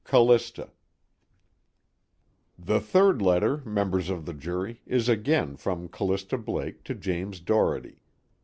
"Callista." The third letter, members of the jury, is again from Callista Blake to James Doherty.